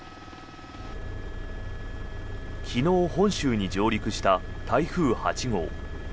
昨日、本州に上陸した台風８号。